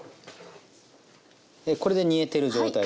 これで煮えてる状態ですね。